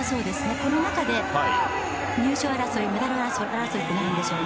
この中で、入賞争いメダル争いとなるんでしょうね。